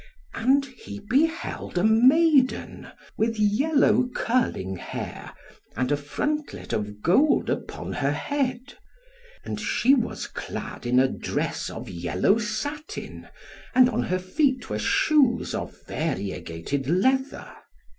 And he beheld a maiden, with yellow curling hair, and a frontlet of gold upon her head; and she was clad in a dress of yellow satin, and on her feet were shoes of variegated leather.